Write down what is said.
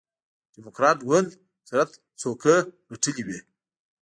ډیموکراټ ګوند اکثریت څوکۍ ګټلې وې.